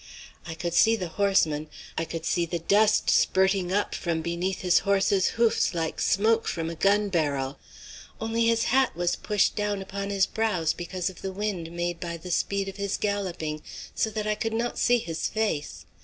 I could see the horseman, I could see the dust spirting up from beneath his horse's hoofs like smoke from a gun barrel. Only his hat was pushed down upon his brows because of the wind made by the speed of his galloping, so that I could not see his face.